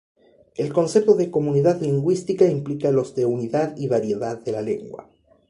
El concepto de comunidad lingüística implica los de unidad y variedad de la lengua.